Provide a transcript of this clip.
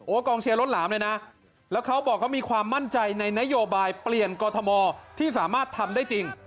กองเชียร์ล้นหลามเลยนะแล้วเขาบอกเขามีความมั่นใจในนโยบายเปลี่ยนกรทมที่สามารถทำได้จริง